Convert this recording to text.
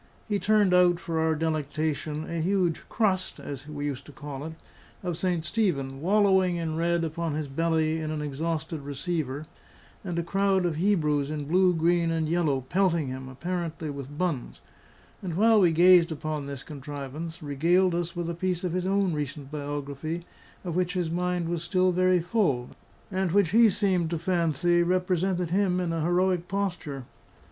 He turned out for our delectation a huge "crust" (as we used to call it) of St. Stephen, wallowing in red upon his belly in an exhausted receiver, and a crowd of Hebrews in blue, green, and yellow, pelting him apparently with buns; and while we gazed upon this contrivance, regaled us with a piece of his own recent biography, of which his mind was still very full, and which he seemed to fancy, represented him in a heroic posture.